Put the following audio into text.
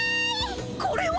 これは！